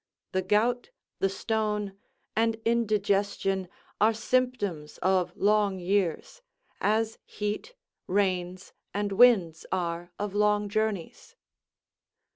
The gout, the stone, and indigestion are symptoms of long years; as heat, rains, and winds are of long journeys.